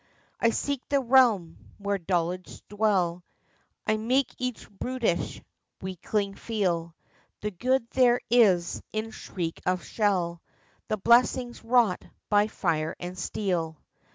15 I seek the realm where dullards dwell, I make each brutish weakling feel The good there is in shriek of shell, The blessings wrought by Fire and Steel.